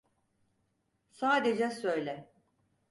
Sadece söyle.